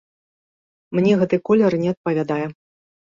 Мне гэты колер не адпавядае.